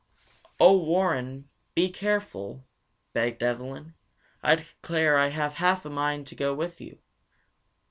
"Oh, Warren, be careful, begged Evelyn. I declare I have half a mind to go with you!"